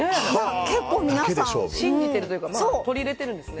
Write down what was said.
結構皆さん信じているというか取り入れてるんですね。